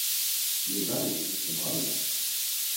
Yuba igezzu s temɣawla.